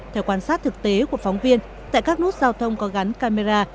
theo quan sát thực tế của phóng viên tại các nút giao thông có gắn camera